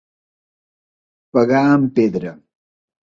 Pegar en pedra.